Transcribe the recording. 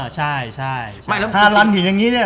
ใช่ใช่